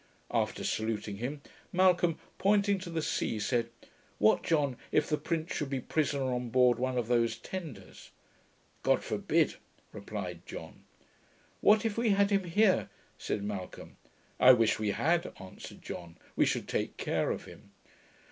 After saluting him, Malcolm, pointing to the sea, said, 'What, John, if the prince should be prisoner on board one of those tenders?' 'God forbid!' replied John. 'What if we had him here?' said Malcolm. 'I wish we had,' answered John; 'we should take care of him.'